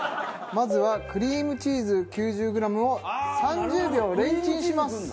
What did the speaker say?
まずはクリームチーズ９０グラムを３０秒レンチンします。